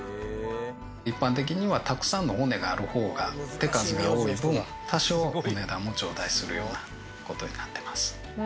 一般的にはたくさんの骨があるほうが手数が多い分多少お値段も頂戴するようなことになってます。